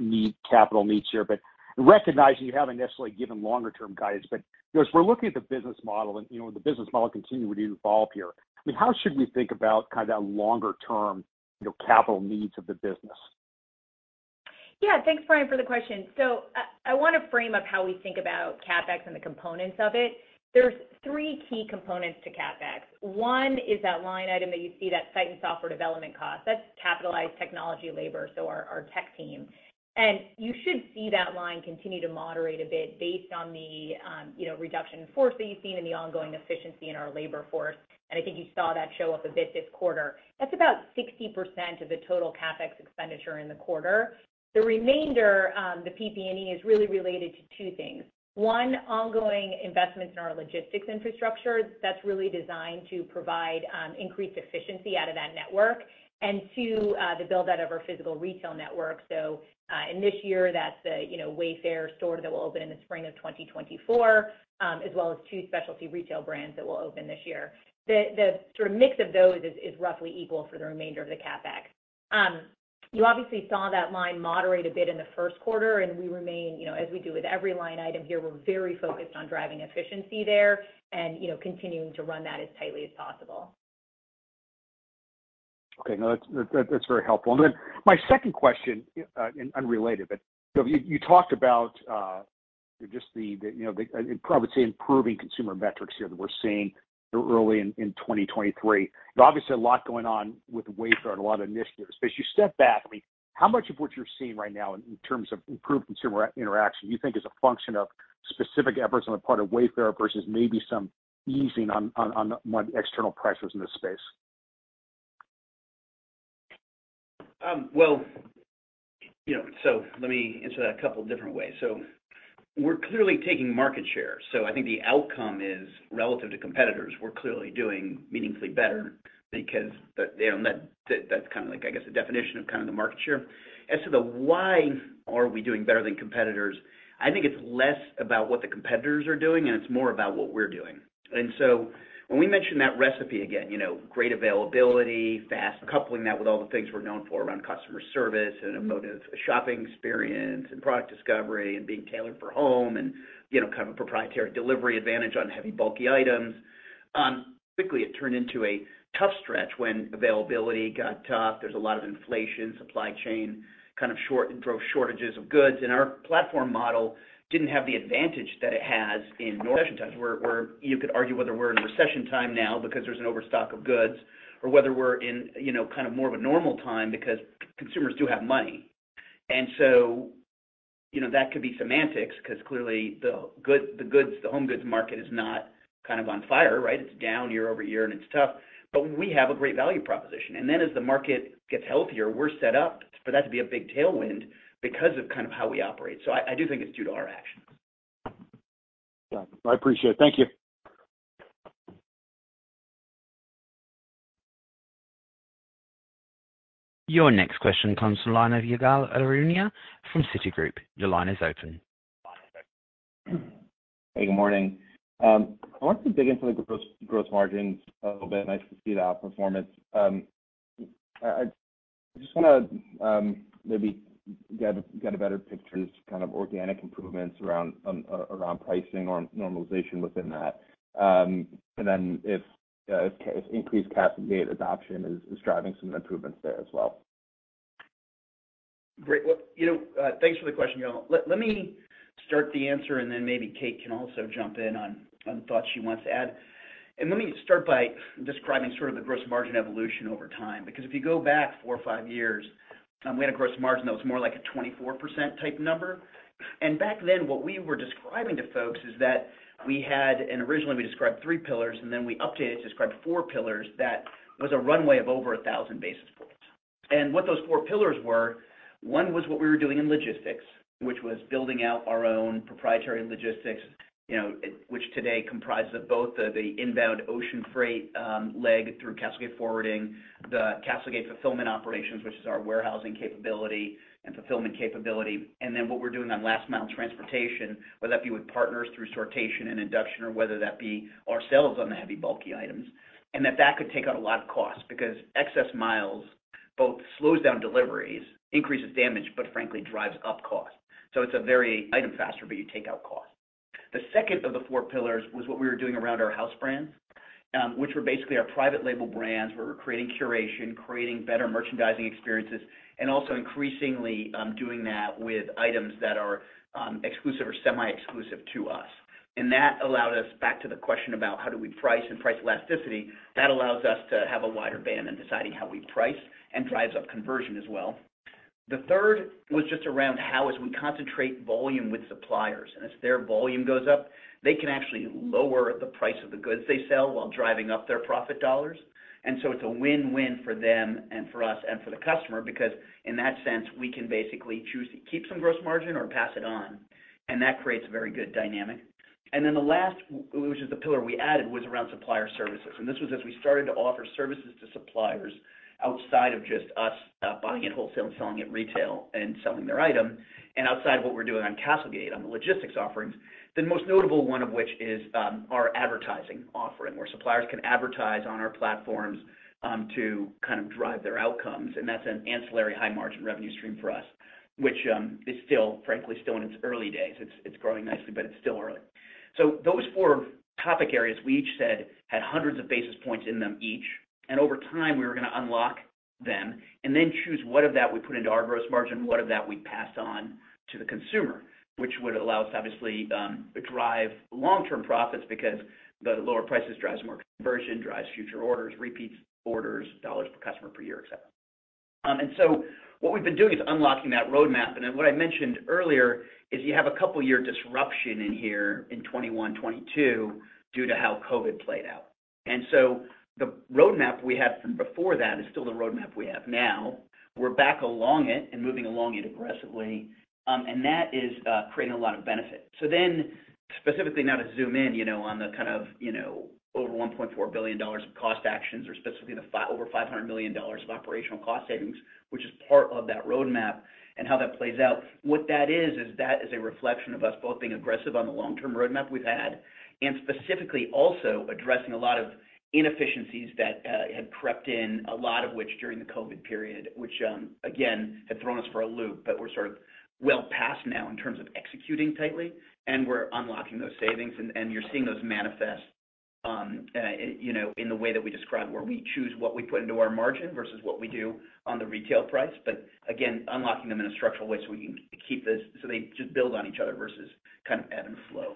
capital needs here. Recognizing you haven't necessarily given longer term guidance, but, you know, as we're looking at the business model and, you know, the business model continue to evolve here, I mean, how should we think about kind of that longer term, you know, capital needs of the business? Thanks, Brian, for the question. I want to frame up how we think about CapEx and the components of it. There's 3 key components to CapEx. One is that line item that you see, that site and software development cost. That's capitalized technology labor, so our tech team. You should see that line continue to moderate a bit based on the, you know, reduction in force that you've seen and the ongoing efficiency in our labor force. I think you saw that show up a bit this quarter. That's about 60% of the total CapEx expenditure in the quarter. The remainder, the PP&E is really related to two things. One, ongoing investments in our logistics infrastructure. That's really designed to provide increased efficiency out of that network. Two, the build-out of our physical retail network. In this year, that's a Wayfair store that will open in the spring of 2024, as well as two specialty retail brands that will open this year. The sort of mix of those is roughly equal for the remainder of the CapEx. You obviously saw that line moderate a bit in the first quarter, and we remain, you know, as we do with every line item here, we're very focused on driving efficiency there and, continuing to run that as tightly as possible. Okay. No, that's, that's very helpful. My second question, and unrelated, but, you know, you talked about, just the, you know, the, I would say improving consumer metrics here that we're seeing early in 2023. There's obviously a lot going on with Wayfair and a lot of initiatives. As you step back, I mean, how much of what you're seeing right now in terms of improved consumer interaction do you think is a function of specific efforts on the part of Wayfair versus maybe some easing on external pressures in this space? Well, you know, let me answer that a couple different ways. We're clearly taking market share, so I think the outcome is relative to competitors. We're clearly doing meaningfully better because, you know, that's kind of like, I guess, the definition of the market share. As to the why are we doing better than competitors, I think it's less about what the competitors are doing, and it's more about what we're doing. When we mention that recipe, again, you know, great availability, fast, coupling that with all the things we're known for around customer service and emotive shopping experience and product discovery and being tailored for home and, you know, kind of a proprietary delivery advantage on heavy, bulky items. Quickly it turned into a tough stretch when availability got tough. There's a lot of inflation, supply chain kind of short. Drove shortages of goods. Our platform model didn't have the advantage that it has in normal times where you could argue whether we're in a recession time now because there's an overstock of goods or whether we're in, you know, kind of more of a normal time because consumers do have money. You know, that could be semantics because clearly the goods, the home goods market is not kind of on fire, right? It's down year-over-year, and it's tough. We have a great value proposition. Then as the market gets healthier, we're set up for that to be a big tailwind because of kind of how we operate. I do think it's due to our actions. Yeah. I appreciate it. Thank you. Your next question comes from the line of Ygal Arounian from Citigroup. Your line is open. Hey, good morning. I want to dig into the gross margins a little bit. Nice to see the outperformance. I just wanna maybe get a better picture of just kind of organic improvements around pricing or normalization within that. If increased CastleGate adoption is driving some improvements there as well. Great. Well, you know, thanks for the question, Ygal. Let me start the answer, and then maybe Kate can also jump in on thoughts she wants to add. Let me start by describing sort of the gross margin evolution over time, because if you go back four or five years, we had a gross margin that was more like a 24% type number. Back then, what we were describing to folks is that we had. Originally we described three pillars, and then we updated to describe four pillars that was a runway of over 1,000 basis points. What those four pillars were, one was what we were doing in logistics, which was building out our own proprietary logistics, you know, which today comprises of both the inbound ocean freight, leg through CastleGate Forwarding, the CastleGate Fulfillment operations, which is our warehousing capability and fulfillment capability, and then what we're doing on last mile transportation, whether that be with partners through sortation and induction or whether that be ourselves on the heavy, bulky items. That could take out a lot of cost because excess miles both slows down deliveries, increases damage, but frankly drives up cost. It's a very item faster, but you take out cost. The second of the four pillars was what we were doing around our house brands, which were basically our private label brands. We were creating curation, creating better merchandising experiences, and also increasingly doing that with items that are exclusive or semi-exclusive to us. That allowed us back to the question about how do we price and price elasticity. That allows us to have a wider band in deciding how we price and drives up conversion as well. The third was just around how as we concentrate volume with suppliers, and as their volume goes up, they can actually lower the price of the goods they sell while driving up their profit dollars. It's a win-win for them and for us and for the customer because in that sense, we can basically choose to keep some gross margin or pass it on, and that creates a very good dynamic. The last, which is the pillar we added, was around supplier services. This was as we started to offer services to suppliers outside of just us, buying it wholesale and selling it retail and selling their item, and outside of what we're doing on CastleGate on the logistics offerings, the most notable one of which is, our advertising offering, where suppliers can advertise on our platforms, to kind of drive their outcomes. That's an ancillary high margin revenue stream for us, which is still, frankly, still in its early days. It's growing nicely, but it's still early. Those four topic areas, we each said had hundreds of basis points in them each, and over time, we were gonna unlock them and then choose what of that we put into our gross margin, what of that we passed on to the consumer, which would allow us, obviously, to drive long-term profits because the lower prices drives more conversion, drives future orders, repeats orders, dollars per customer per year, et cetera. What we've been doing is unlocking that roadmap. What I mentioned earlier is you have a couple year disruption in here in 2021, 2022 due to how COVID played out. The roadmap we have from before that is still the roadmap we have now. We're back along it and moving along it aggressively. That is creating a lot of benefit. Specifically now to zoom in, you know, on the kind of, you know, over $1.4 billion of cost actions or specifically over $500 million of operational cost savings, which is part of that roadmap and how that plays out. What that is that is a reflection of us both being aggressive on the long-term roadmap we've had, and specifically also addressing a lot of inefficiencies that had crept in, a lot of which during the COVID period, which again, had thrown us for a loop. We're sort of well past now in terms of executing tightly, and we're unlocking those savings, and you're seeing those manifest, you know, in the way that we describe, where we choose what we put into our margin versus what we do on the retail price. Again, unlocking them in a structural way so we can keep so they just build on each other versus kind of ebb and flow.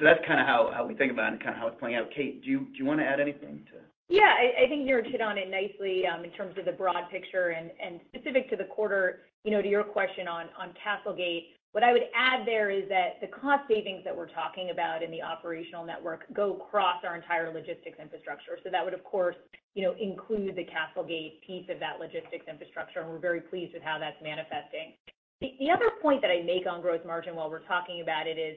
That's kinda how we think about and kinda how it's playing out. Kate, do you wanna add anything to... Yeah. I think Niraj hit on it nicely, in terms of the broad picture and specific to the quarter, you know, to your question on CastleGate. What I would add there is that the cost savings that we're talking about in the operational network go across our entire logistics infrastructure. That would, of course, you know, include the CastleGate piece of that logistics infrastructure, and we're very pleased with how that's manifesting. The other point that I make on growth margin while we're talking about it is,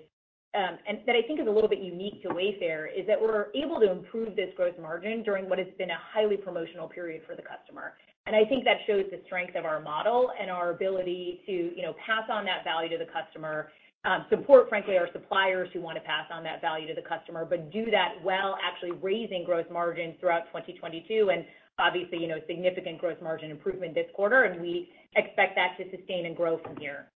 and that I think is a little bit unique to Wayfair, is that we're able to improve this growth margin during what has been a highly promotional period for the customer. I think that shows the strength of our model and our ability to, you know, pass on that value to the customer, support, frankly, our suppliers who wanna pass on that value to the customer, but do that well, actually raising growth margin throughout 2022. Obviously, you know, significant growth margin improvement this quarter, and we expect that to sustain and grow from here.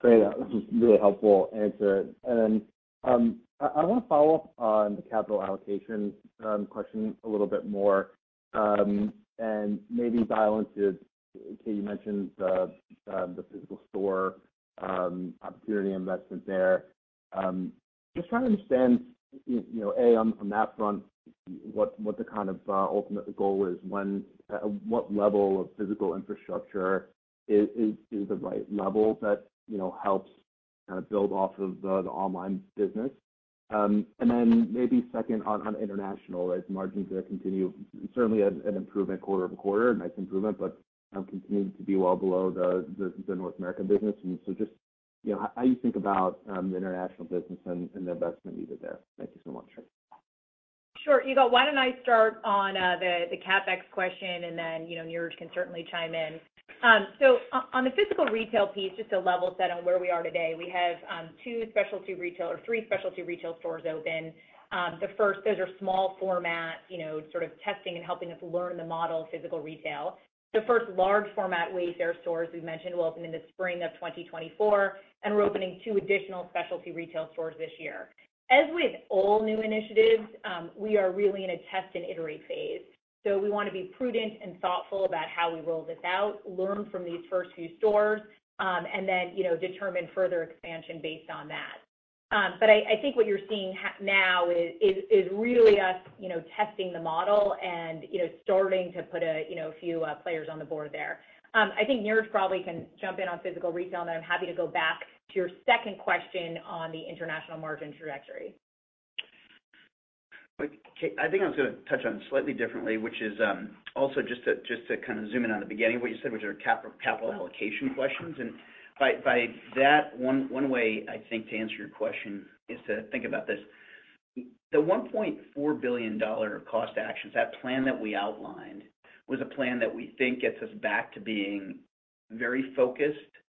Great. This was really helpful answer. Then, I wanna follow up on the capital allocation question a little bit more, and maybe dial into, Kate, you mentioned the physical store opportunity investment there. Just trying to understand, you know, A, on that front, what the kind of ultimate goal is when... what level of physical infrastructure is the right level that, you know, helps kind of build off of the online business. Then maybe second on international, as margins there continue. Certainly an improvement quarter-over-quarter, nice improvement, but continuing to be well below the North American business. So just, you know, how you think about the international business and the investment needed there. Thank you so much. Sure, Ygal. Why don't I start on the CapEx question, then, you know, Niraj can certainly chime in. On the physical retail piece, just to level set on where we are today, we have two specialty retail or three specialty retail stores open. The first, those are small format, you know, sort of testing and helping us learn the model of physical retail. The first large format Wayfair stores we've mentioned will open in the spring of 2024, we're opening two additional specialty retail stores this year. As with all new initiatives, we are really in a test and iterate phase. We wanna be prudent and thoughtful about how we roll this out, learn from these first few stores, then, you know, determine further expansion based on that. I think what you're seeing now is really us, you know, testing the model and, you know, starting to put a, you know, a few players on the board there. I think Niraj probably can jump in on physical retail, then I'm happy to go back to your second question on the international margin trajectory. Kate, I think I was going to touch on it slightly differently, which is also just to kind of zoom in on the beginning of what you said, which are capital allocation questions. By that, one way I think to answer your question is to think about this. The $1.4 billion cost actions, that plan that we outlined, was a plan that we think gets us back to being very focused,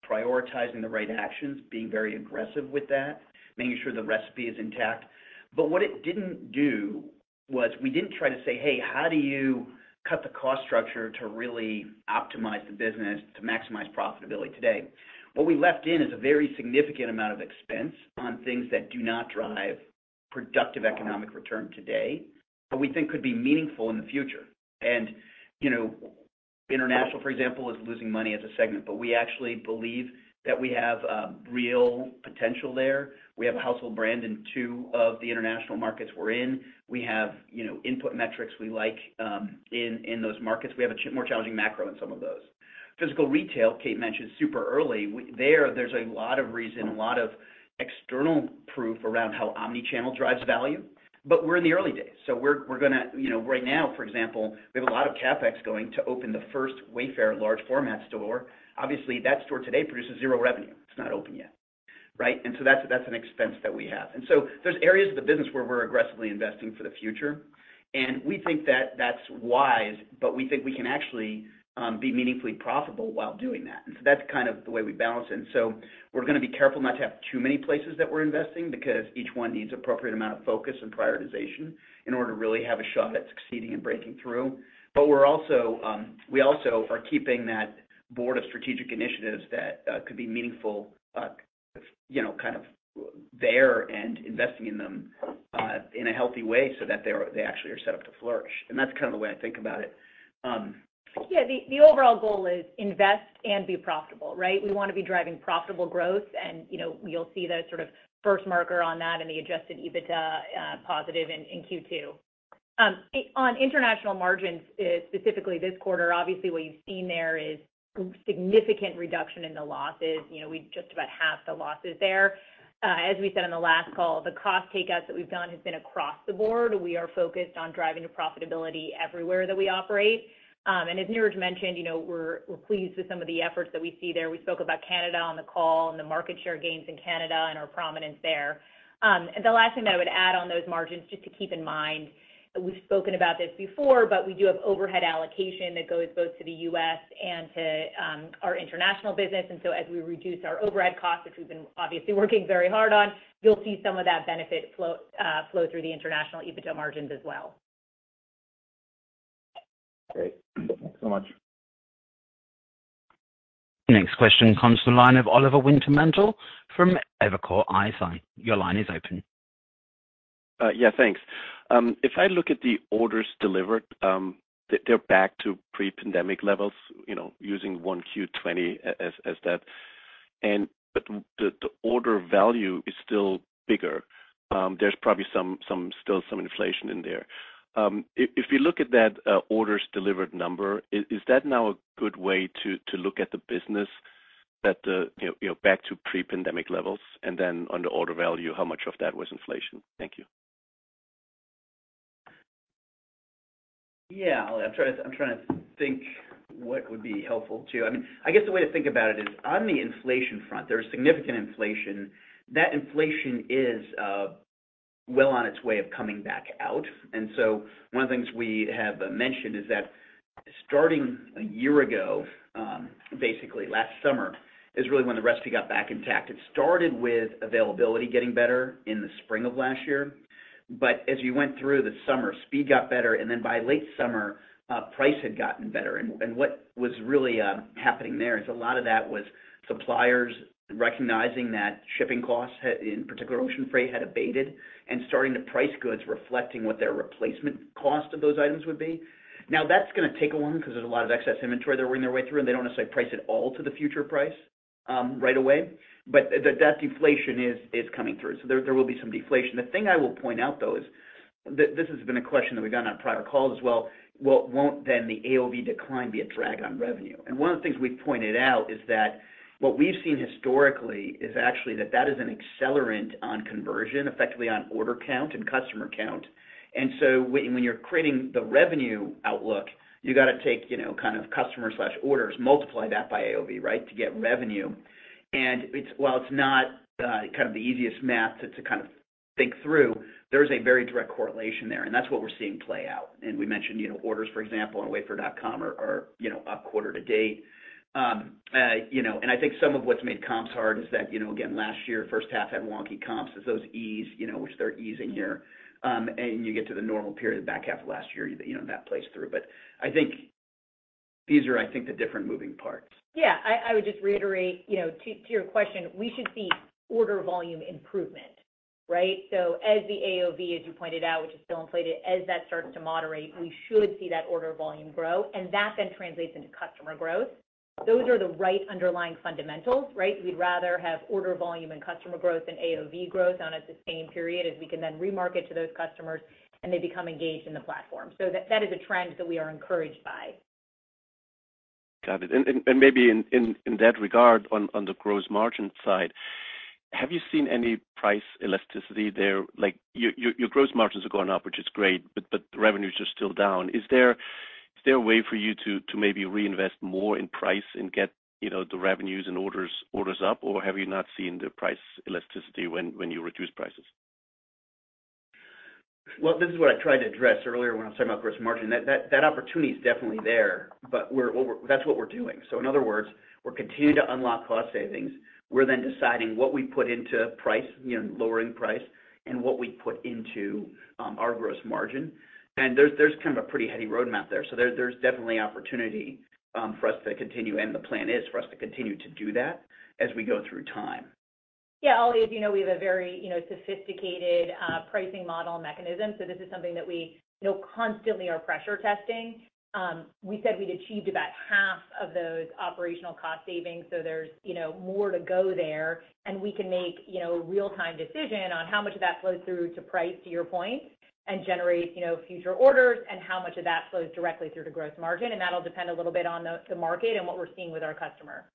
prioritizing the right actions, being very aggressive with that, making sure the recipe is intact. What it didn't do was we didn't try to say, "Hey, how do you cut the cost structure to really optimize the business to maximize profitability today?" What we left in is a very significant amount of expense on things that do not drive productive economic return today, but we think could be meaningful in the future. You know, international, for example, is losing money as a segment, but we actually believe that we have real potential there. We have a household brand in two of the international markets we're in. We have, you know, input metrics we like in those markets. We have a more challenging macro in some of those. Physical retail, Kate mentioned super early. There's a lot of reason, a lot of external proof around how omni-channel drives value, but we're in the early days. We're gonna, you know, right now, for example, we have a lot of CapEx going to open the first Wayfair large format store. Obviously, that store today produces 0 revenue. It's not open yet, right? That's an expense that we have. There's areas of the business where we're aggressively investing for the future, and we think that that's wise, but we think we can actually be meaningfully profitable while doing that. That's kind of the way we balance. We're gonna be careful not to have too many places that we're investing, because each one needs appropriate amount of focus and prioritization in order to really have a shot at succeeding and breaking through. We're also, we also are keeping that board of strategic initiatives that could be meaningful, you know, kind of there and investing in them in a healthy way so that they're, they actually are set up to flourish. That's kind of the way I think about it. Yeah. The overall goal is invest and be profitable, right? We want to be driving profitable growth and, you know, you'll see that sort of first marker on that in the Adjusted EBITDA positive in Q2. On international margins specifically this quarter, obviously what you've seen there is significant reduction in the losses. You know, we just about half the losses there. As we said on the last call, the cost takeouts that we've done has been across the board. We are focused on driving the profitability everywhere that we operate. And as Niraj mentioned, you know, we're pleased with some of the efforts that we see there. We spoke about Canada on the call and the market share gains in Canada and our prominence there. The last thing that I would add on those margins, just to keep in mind, we've spoken about this before, but we do have overhead allocation that goes both to the U.S. and to our international business. As we reduce our overhead costs, which we've been obviously working very hard on, you'll see some of that benefit flow through the international EBITDA margins as well. Great. Thanks so much. Next question comes from the line of Oliver Wintermantel from Evercore ISI. Your line is open. Yeah, thanks. If I look at the orders delivered, they're back to pre-pandemic levels, you know, using 1Q 2020 as that. The, the order value is still bigger. There's probably some, still some inflation in there. If you look at that, orders delivered number, is that now a good way to look at the business that the, you know, back to pre-pandemic levels, and then on the order value, how much of that was inflation? Thank you. Yeah. Oli, I'm trying to think what would be helpful to you. I mean, I guess the way to think about it is on the inflation front, there's significant inflation. That inflation is well on its way of coming back out. One of the things we have mentioned is that starting a year ago, basically last summer is really when the recipe got back intact. It started with availability getting better in the spring of last year. As you went through the summer, speed got better, by late summer, price had gotten better. What was really happening there is a lot of that was suppliers recognizing that shipping costs had, in particular ocean freight, had abated and starting to price goods reflecting what their replacement cost of those items would be. That's gonna take a long, 'cause there's a lot of excess inventory they're working their way through, and they don't necessarily price it all to the future price right away. That deflation is coming through. There will be some deflation. The thing I will point out though is, this has been a question that we've gotten on prior calls as well, well, won't then the AOV decline be a drag on revenue? One of the things we've pointed out is that what we've seen historically is actually that that is an accelerant on conversion, effectively on order count and customer count. When you're creating the revenue outlook, you gotta take, you know, kind of customer/orders, multiply that by AOV, right, to get revenue. It's... While it's not, kind of the easiest math to kind of think through, there's a very direct correlation there, and that's what we're seeing play out. We mentioned, you know, orders, for example, on wayfair.com are, you know, up quarter-to-date. You know, I think some of what's made comps hard is that, you know, again, last year, first half had wonky comps as those ease, you know, which they're easing here. You get to the normal period back half of last year, you know, that plays through. I think these are the different moving parts. Yeah. I would just reiterate, you know, to your question, we should see order volume improvement, right? As the AOV, as you pointed out, which is still inflated, as that starts to moderate, we should see that order volume grow, and that then translates into customer growth. Those are the right underlying fundamentals, right? We'd rather have order volume and customer growth and AOV growth on at the same period as we can then remarket to those customers, and they become engaged in the platform. That is a trend that we are encouraged by. Got it. Maybe in that regard, on the gross margin side, have you seen any price elasticity there? Like, your gross margins are going up, which is great, but the revenues are still down. Is there a way for you to maybe reinvest more in price and get, you know, the revenues and orders up, or have you not seen the price elasticity when you reduce prices? Well, this is what I tried to address earlier when I was talking about gross margin. That opportunity is definitely there, but that's what we're doing. In other words, we're continuing to unlock cost savings. We're then deciding what we put into price, you know, lowering price, and what we put into our gross margin. There's kind of a pretty heady roadmap there. There's definitely opportunity for us to continue, and the plan is for us to continue to do that as we go through time. Oli, as you know, we have a very, you know, sophisticated pricing model mechanism. This is something that we, you know, constantly are pressure testing. We said we'd achieved about half of those operational cost savings. There's, you know, more to go there. We can make, you know, a real-time decision on how much of that flows through to price, to your point, and generate, you know, future orders and how much of that flows directly through to gross margin. That'll depend a little bit on the market and what we're seeing with our customer.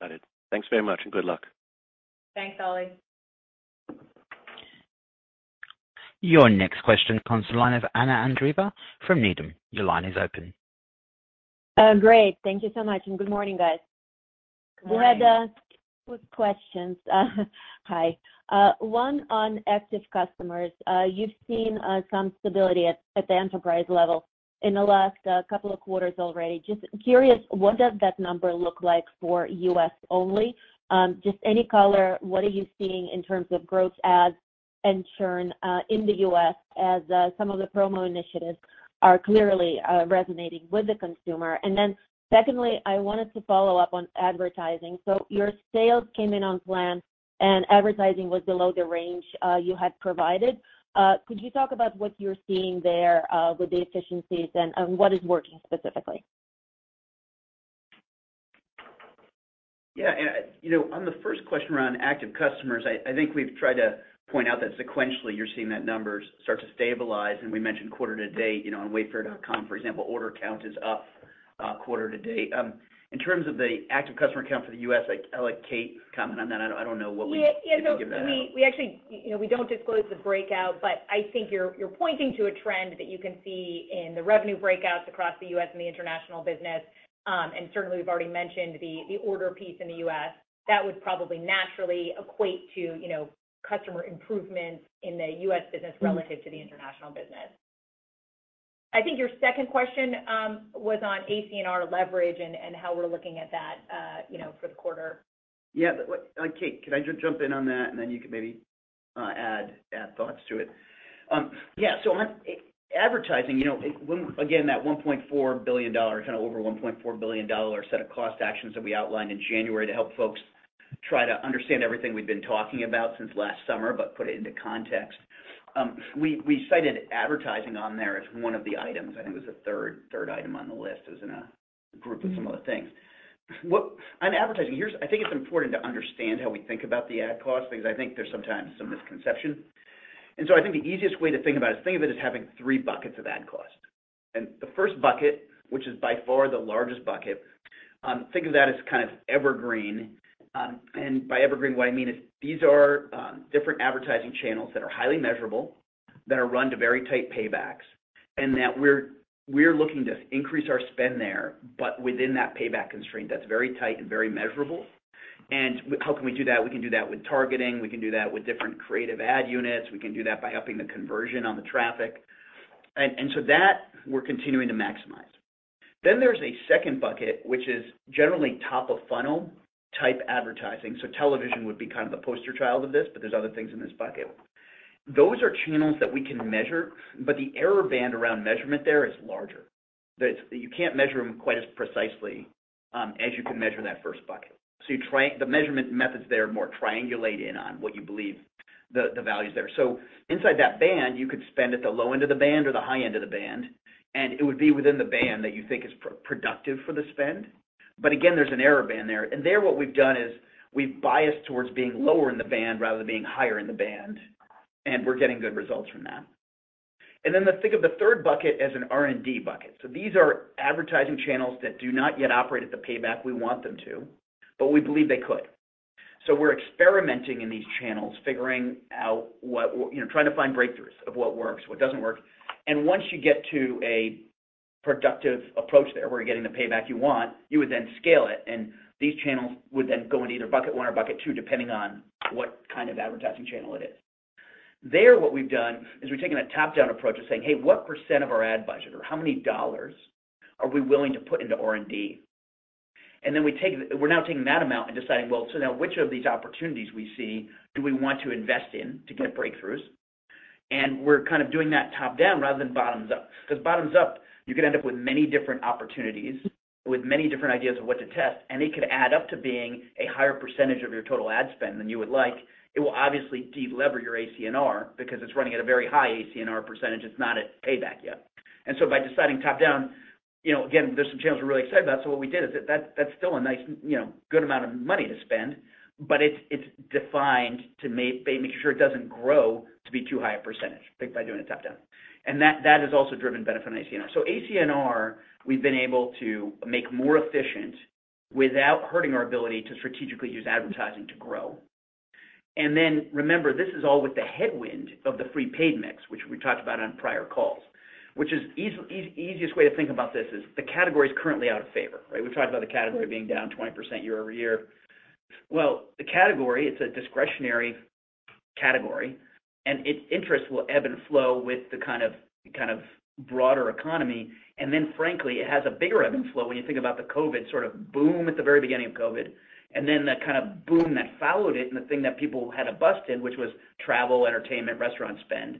Got it. Thanks very much and good luck. Thanks, Oli. Your next question comes the line of Anna Andreeva from Needham. Your line is open. Great. Thank you so much, and good morning, guys. Good morning. We had quick questions. Hi. One on active customers. You've seen some stability at the enterprise level in the last couple of quarters already. Just curious, what does that number look like for U.S. only? Just any color, what are you seeing in terms of gross adds and churn in the U.S. as some of the promo initiatives are clearly resonating with the consumer? Secondly, I wanted to follow up on advertising. Your sales came in on plan and advertising was below the range you had provided. Could you talk about what you're seeing there with the efficiencies and what is working specifically? You know, on the first question around active customers, I think we've tried to point out that sequentially you're seeing that numbers start to stabilize, we mentioned quarter-to-date, you know, on wayfair.com for example, order count is up quarter-to-date. In terms of the active customer count for the U.S., I'll let Kate comment on that. Yeah, you know. To give that out. We actually, you know, we don't disclose the breakout, but I think you're pointing to a trend that you can see in the revenue breakouts across the U.S. and the international business. And certainly we've already mentioned the order piece in the U.S. That would probably naturally equate to, you know, customer improvements in the U.S. business relative to the international business. I think your second question was on ACNR leverage and how we're looking at that, you know, for the quarter. Yeah. What, Kate, could I jump in on that and then you can maybe add thoughts to it? Yeah, so on advertising, you know, when again, that $1.4 billion, kind of over $1.4 billion set of cost actions that we outlined in January to help folks try to understand everything we've been talking about since last summer, put it into context. We cited advertising on there as one of the items. I think it was the third item on the list. It was in a group of similar things. On advertising, here's, I think it's important to understand how we think about the ad cost, because I think there's sometimes some misconception. I think the easiest way to think about it is think of it as having three buckets of ad cost. The first bucket, which is by far the largest bucket, think of that as kind of evergreen. By evergreen, what I mean is these are different advertising channels that are highly measurable, that are run to very tight paybacks, and that we're looking to increase our spend there, but within that payback constraint that's very tight and very measurable. How can we do that? We can do that with targeting. We can do that with different creative ad units. We can do that by upping the conversion on the traffic. So that we're continuing to maximize. There's a second bucket, which is generally top of funnel type advertising. Television would be kind of the poster child of this, but there's other things in this bucket. Those are channels that we can measure, but the error band around measurement there is larger. You can't measure them quite as precisely as you can measure that first bucket. The measurement methods there more triangulate in on what you believe the value's there. Inside that band, you could spend at the low end of the band or the high end of the band, and it would be within the band that you think is productive for the spend. Again, there's an error band there. There what we've done is we've biased towards being lower in the band rather than being higher in the band, and we're getting good results from that. Let's think of the third bucket as an R&D bucket. These are advertising channels that do not yet operate at the payback we want them to, but we believe they could. We're experimenting in these channels, figuring out what you know, trying to find breakthroughs of what works, what doesn't work. Once you get to a productive approach there, where you're getting the payback you want, you would then scale it, and these channels would then go into either bucket one or bucket two, depending on what kind of advertising channel it is. There what we've done is we've taken a top-down approach of saying, "Hey, what percent of our ad budget or how many dollars are we willing to put into R&D?" We take the... We're now taking that amount and deciding, well, so now which of these opportunities we see do we want to invest in to get breakthroughs? We're kind of doing that top down rather than bottoms up. Bottoms up, you could end up with many different opportunities, with many different ideas of what to test, and it could add up to being a higher percentage of your total ad spend than you would like. It will obviously de-lever your ACNR because it's running at a very high ACNR percentage. It's not at payback yet. By deciding top down, you know, again, there's some channels we're really excited about, what we did is that's still a nice, you know, good amount of money to spend, but it's defined to make sure it doesn't grow to be too high a percent, picked by doing it top down. That has also driven benefit on ACNR. ACNR, we've been able to make more efficient without hurting our ability to strategically use advertising to grow. Remember, this is all with the headwind of the free paid mix, which we talked about on prior calls. Easiest way to think about this is the category's currently out of favor, right? We've talked about the category being down 20% year-over-year. Well, the category, it's a discretionary category, and its interest will ebb and flow with the kind of broader economy. Frankly, it has a bigger ebb and flow when you think about the COVID sort of boom at the very beginning of COVID, and then the kind of boom that followed it and the thing that people had a bust in, which was travel, entertainment, restaurant spend.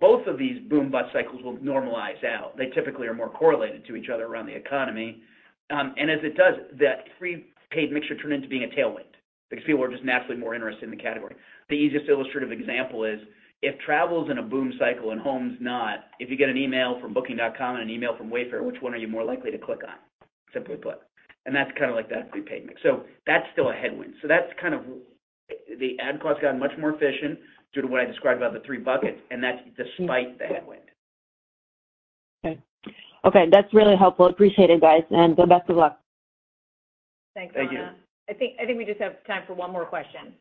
Both of these boom bust cycles will normalize out. They typically are more correlated to each other around the economy. As it does, that free paid mixture turned into being a tailwind because people are just naturally more interested in the category. The easiest illustrative example is if travel's in a boom cycle and home's not, if you get an email from Booking.com and an email from Wayfair, which one are you more likely to click on, simply put? That's kind of like that free paid mix. That's still a headwind. That's kind of... The ad cost got much more efficient due to what I described about the three buckets, and that's despite the headwind. Okay. Okay, that's really helpful. Appreciate it, guys, and best of luck. Thanks, Anna. Thank you. I think we just have time for one more question.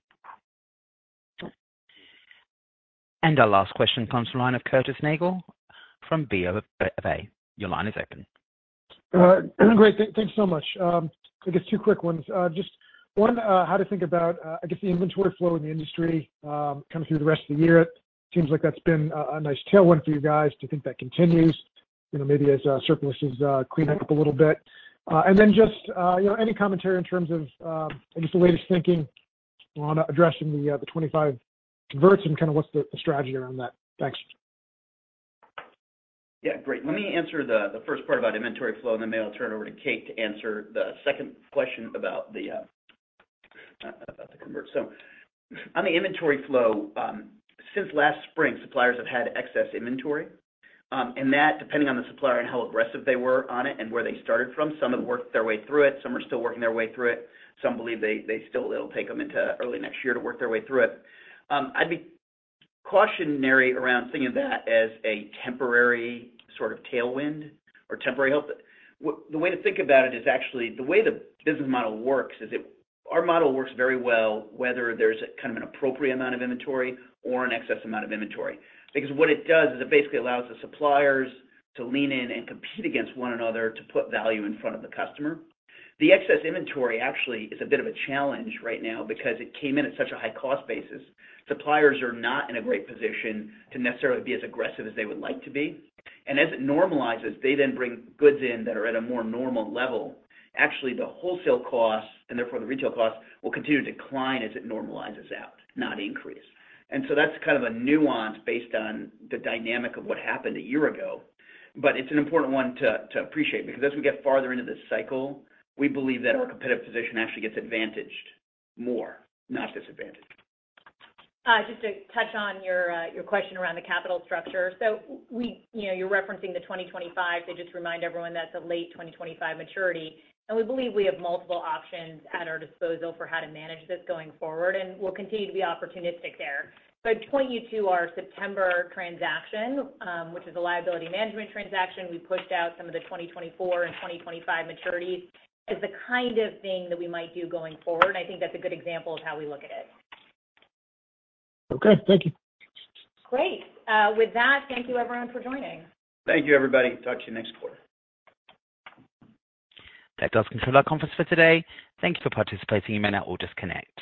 Our last question comes from the line of Curtis Nagle from BofA. Your line is open. Great. Thanks so much. I guess 2 quick ones. Just 1, how to think about, I guess, the inventory flow in the industry, coming through the rest of the year. It seems like that's been a nice tailwind for you guys. Do you think that continues, you know, maybe as surpluses clean up a little bit? Just, you know, any commentary in terms of, I guess the latest thinking on addressing the '25 converts and kinda what's the strategy around that? Thanks. Yeah, great. Let me answer the first part about inventory flow, and then maybe I'll turn it over to Kate to answer the second question about the convert. On the inventory flow, since last spring, suppliers have had excess inventory. That depending on the supplier and how aggressive they were on it and where they started from, some have worked their way through it, some are still working their way through it. Some believe it'll take them into early next year to work their way through it. I'd be cautionary around thinking of that as a temporary sort of tailwind or temporary hope. The way to think about it is actually the way the business model works is it... Our model works very well, whether there's a kind of an appropriate amount of inventory or an excess amount of inventory. What it does is it basically allows the suppliers to lean in and compete against one another to put value in front of the customer. The excess inventory actually is a bit of a challenge right now because it came in at such a high cost basis. Suppliers are not in a great position to necessarily be as aggressive as they would like to be. As it normalizes, they then bring goods in that are at a more normal level. Actually, the wholesale cost, and therefore the retail cost, will continue to decline as it normalizes out, not increase. That's kind of a nuance based on the dynamic of what happened a year ago, but it's an important one to appreciate because as we get farther into this cycle, we believe that our competitive position actually gets advantaged more, not disadvantaged. Just to touch on your question around the capital structure. You know, you're referencing the 2025. To just remind everyone, that's a late 2025 maturity, and we believe we have multiple options at our disposal for how to manage this going forward, and we'll continue to be opportunistic there. I'd point you to our September transaction, which is a liability management transaction. We pushed out some of the 2024 and 2025 maturities as the kind of thing that we might do going forward, and I think that's a good example of how we look at it. Okay. Thank you. Great. With that, thank you everyone for joining. Thank you, everybody. Talk to you next quarter. That does conclude our conference for today. Thank you for participating. You may now all disconnect.